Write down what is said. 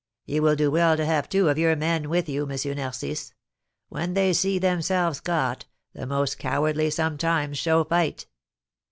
"You will do well to have two of your men with you, M. Narcisse. When they see themselves caught, the most cowardly sometimes show fight."